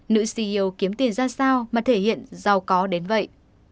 nữ ceo kiếm tiền ra sao mà thể hiện giàu có đến vậy